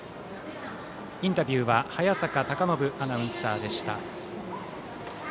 インタビューは早坂隆信アナウンサーでした。